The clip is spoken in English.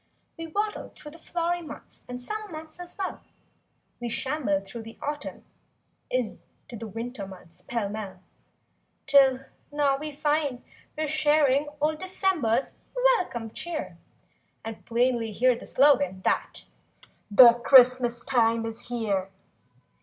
We waddled through the flowery months And summer months as well; We shambled through the Autumn in— To winter months, pell mell; 'Till now we find we're sharing old December's welcome cheer And plainly hear the slogan, that— "The Christmas time is here."